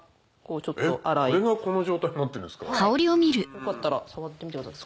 よかったら触ってみてください